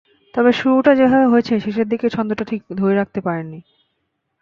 তবে শুরুটা যেভাবে হয়েছে, শেষের দিকে ছন্দটা ঠিক ধরে রাখতে পারেননি।